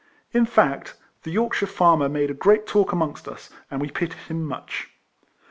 In fact, the York shire farmer made a great talk amongst us; and we pitied him much.